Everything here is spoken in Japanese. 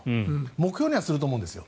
目標にはすると思うんですよ。